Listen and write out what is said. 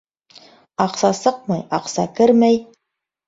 Аҡса сыҡмай аҡса кермәй.